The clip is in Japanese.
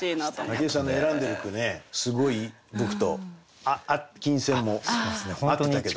武井さんの選んでる句ねすごい僕と琴線も合ってたけど。